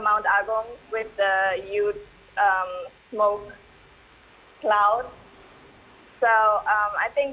pembentangan kedua maksud saya gambarnya berada di seluruh dunia dari mount agung